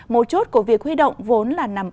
một chút của việc huy động vốn là nằm